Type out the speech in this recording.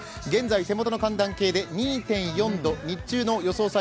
現在、手元の寒暖計で、２．４度、日中の予想